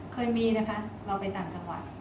เคยมีนะคะเราไปต่างจังหวัด